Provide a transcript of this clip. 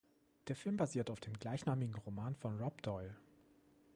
Der Film basiert auf dem gleichnamigen Roman von Rob Doyle.